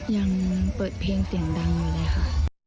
อย่างเปิดเพลงเสียงแบงค์แบบนี้ค่ะ